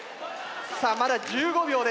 さあまだ１５秒です。